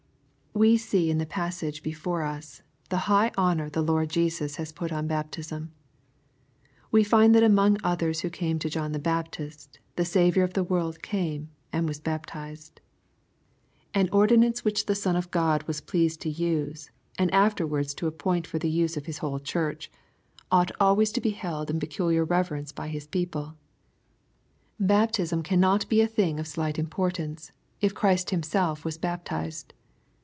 We see in the passage before us^ the high honor {he Lord Jesvs has put on baptism. We find that among others who came to John the Baptist^ the Saviour of the world came, and was " baptized.'* An ordinance which the Son of God was pleased to bse^ and afterwards to appoint for the use of His whole lAJKE, CHAP. m. 101 Churchy ottglit always to be held in peculiar reyerence by His people. Baptism cannot be a thing of slight importance^ if Christ Himself was baptized.